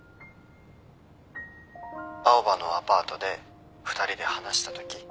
青羽のアパートで２人で話したとき。